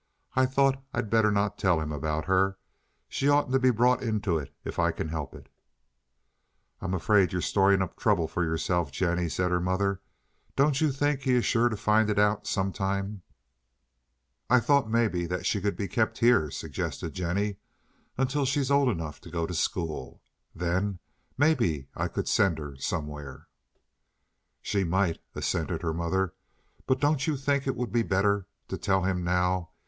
"I thought I'd better not tell him about her. She oughtn't to be brought into it if I can help it." "I'm afraid you're storing up trouble for yourself, Jennie," said her mother. "Don't you think he is sure to find it out some time?" "I thought maybe that she could be kept here," suggested Jennie, "until she's old enough to go to school. Then maybe I could send her somewhere." "She might," assented her mother; "but don't you think it would be better to tell him now?